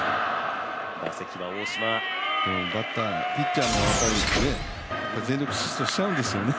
バッター、ピッチャーも全力疾走しちゃうんですよね